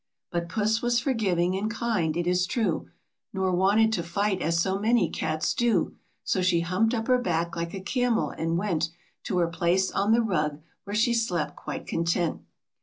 But Puss was forgiving and kind, it is true, Nor wanted to fight as so many cats do, So she humped up her back like a camel, and went To her place on the rug, where she quite content.